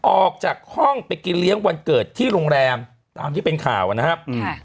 ออกจากห้องไปกินเลี้ยงวันเกิดที่โรงแรมตามที่เป็นข่าวนะครับ